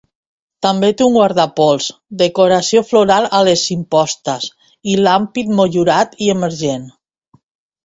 També té un guardapols, decoració floral a les impostes i l'ampit motllurat i emergent.